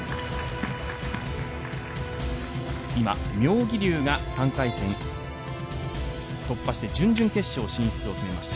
今、妙義龍が３回戦を突破して準々決勝進出を決めました。